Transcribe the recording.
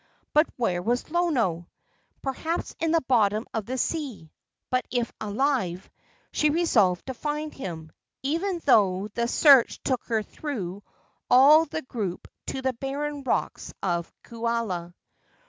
But where was Lono? Perhaps in the bottom of the sea; but, if alive, she resolved to find him, even though the search took her through all the group to the barren rocks of Kaula.